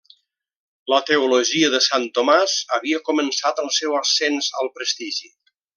La teologia de Sant Tomàs havia començat el seu ascens al prestigi.